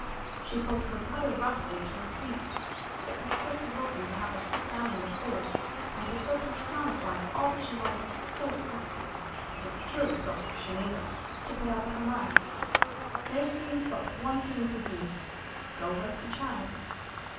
She pulled her rather roughly to her feet. It was so provoking to have her sit down in the cold, and to so personify all that she wanted so ardently, it was purely selfish, she knew that, to put out of her mind. There seemed but one thing to do: go with the child.